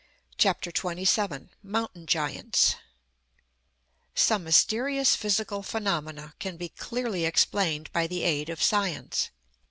CHAPTER XXVII MOUNTAIN GIANTS Some mysterious physical phenomena can be clearly explained by the aid of science.